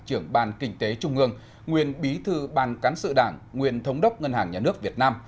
trưởng ban kinh tế trung ương nguyên bí thư ban cán sự đảng nguyên thống đốc ngân hàng nhà nước việt nam